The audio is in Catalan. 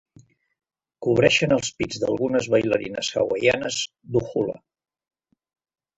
Cobreixen els pits d'algunes ballarines hawaianes d'hula.